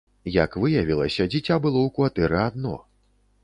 Як выявілася, дзіця было ў кватэры адно.